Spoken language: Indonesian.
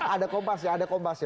ada kompasnya ada kompasnya